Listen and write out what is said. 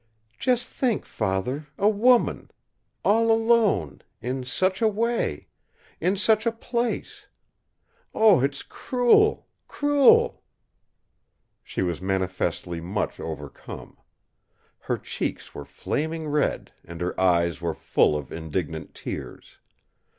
"Just think, Father, a woman! All alone! In such a way! In such a place! Oh! it's cruel, cruel!" She was manifestly much overcome. Her cheeks were flaming red, and her eyes were full of indignant tears.